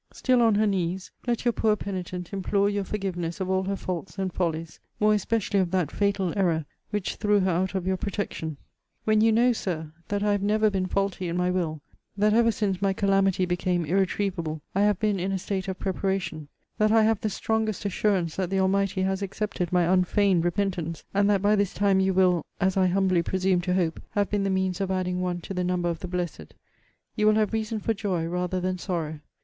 Still on her knees, let your poor penitent implore your forgiveness of all her faults and follies; more especially of that fatal error which threw her out of your protection. When you know, Sir, that I have never been faulty in my will; that ever since my calamity became irretrievable, I have been in a state of preparation; that I have the strongest assurance that the Almighty has accepted my unfeigned repentance; and that by this time you will (as I humbly presume to hope,) have been the means of adding one to the number of the blessed; you will have reason for joy rather than sorrow.